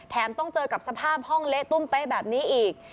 ต้องเจอกับสภาพห้องเละตุ้มเป๊ะแบบนี้อีก